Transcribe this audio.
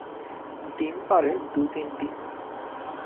ডিম পাড়ে দু-তিনটি।